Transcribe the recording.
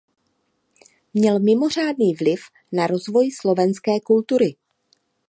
Měl mimořádný vliv na rozvoj slovenské kultury.